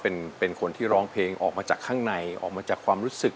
เป็นคนที่ร้องเพลงออกมาจากข้างในออกมาจากความรู้สึก